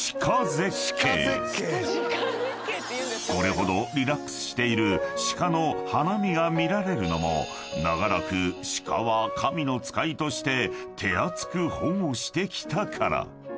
［これほどリラックスしている鹿の花見が見られるのも長らく鹿は神の使いとして手厚く保護してきたから］